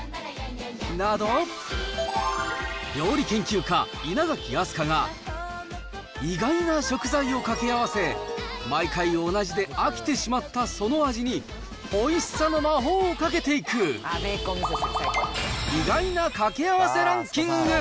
など、料理研究家、稲垣飛鳥が、意外な食材をかけあわせ、毎回同じで飽きてしまったその味に、おいしさの魔法をかけていく、意外なかけあわせランキング。